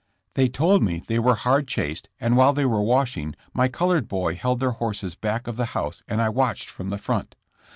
They told me they were hard chased and while they were washing my colored boy held their horses back of the house and I watched from the front.